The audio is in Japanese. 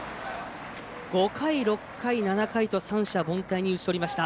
５回、６回、７回と三者凡退に打ち取りました。